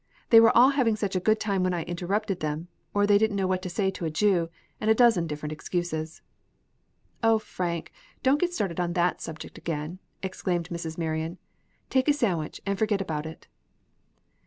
They were all having such a good time when I interrupted them, or they didn't know what to say to a Jew, and a dozen different excuses." "O, Frank, don't get started on that subject again!" exclaimed Mrs. Marion. "Take a sandwich, and forget about it."